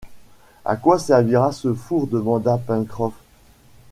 À quoi servira ce four ? demanda Pencroff